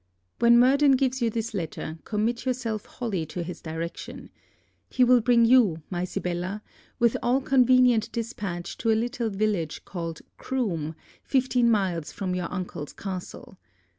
When Murden gives you this letter, commit yourself wholly to his direction. He will bring you, my Sibella, with all convenient dispatch to a little village called Croom, fifteen miles from your uncle's castle.